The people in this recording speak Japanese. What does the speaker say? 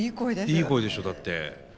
いい声でしょだって。